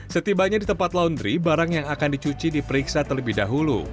setibanya di tempat laundry barang yang akan dicuci diperiksa terlebih dahulu